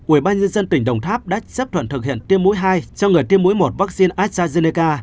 ủy ban nhân dân tỉnh đồng tháp đã chấp thuận thực hiện tiêm mũi hai cho người tiêm mũi một vaccine astrazeneca